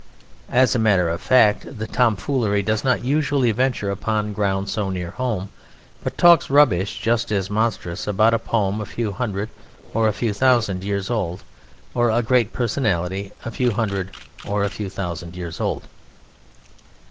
As a matter of fact, the tomfoolery does not usually venture upon ground so near home, but it talks rubbish just as monstrous about a poem a few hundred or a few thousand years old, or a great personality a few hundred or a few thousand years old.